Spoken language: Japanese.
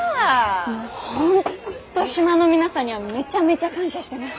もう本当島の皆さんにはめちゃめちゃ感謝してます。